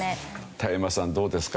田山さんどうですか？